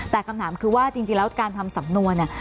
แต่คำถามคือว่าจริงแล้วการทำสำนวนเนี่ย